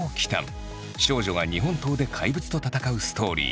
少女が日本刀で怪物と戦うストーリー。